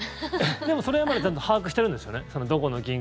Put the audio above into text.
でも、それはまだちゃんと把握してるんですよね。